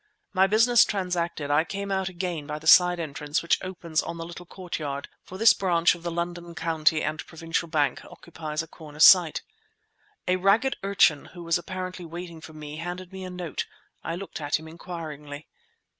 My business transacted, I came out again by the side entrance which opens on the little courtyard, for this branch of the London County and Provincial Bank occupies a corner site. A ragged urchin who was apparently waiting for me handed me a note. I looked at him inquiringly.